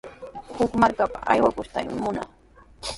Huk markapa aywakuytami munaa.